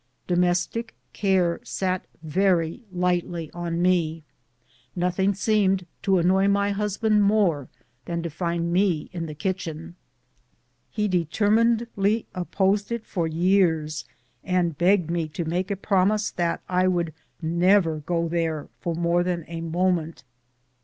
Domestic care sat very lightly on me. Nothing seemed to annoy my husband more than to find me in the kitchen. lie determinedly opposed it for years, and begged me to make a promise that I would never ofo there for more than a moment.